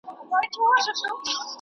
د ناخبرتیا څرګندونه په ښه او بد کي